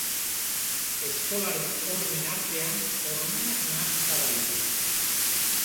Eskolaren hormen artean hormonak nahasita dabiltza.